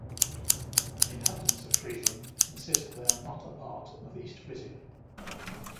The inhabitants of Friesland insist that they are not a part of East Frisia.